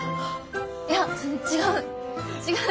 いや違う。